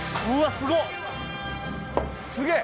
すげえ。